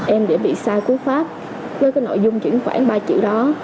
em đã bị sai cú pháp với cái nội dung chuyển khoảng ba triệu đó